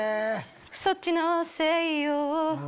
そっちのせいよ